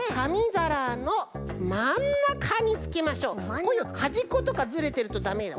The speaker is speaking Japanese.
こういうはじっことかずれてるとダメよ。